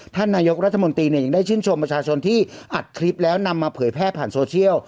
ท่านนายกรัฐมนตรีเนี่ยยังได้ชื่นชมประชาชนที่อัดคลิปแล้วนำมาเผยแพร่ผ่านโซเชียล